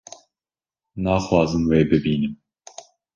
naxwazim we bibînim